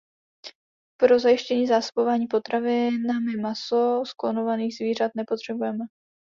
Pro zajištění zásobování potravinami maso z klonovaných zvířat nepotřebujeme.